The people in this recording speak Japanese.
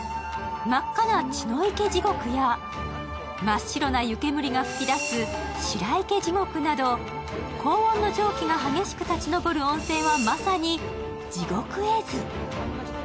真っ赤な血の池地獄や真っ白な湯煙が噴き出す白池地獄など高温の蒸気が激しく立ち上る温泉はまさに地獄絵図。